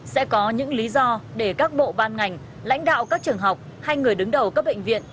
sẽ có những lý do để các bộ ban ngành lãnh đạo các trường học hay người đứng đầu các bệnh viện